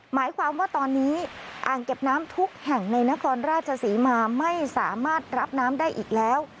หมายความว่าตอนนี้อ่างเก็บน้ำทุกแห่งในนครราชศรีมาไม่สามารถรับน้ำได้อีกแล้ว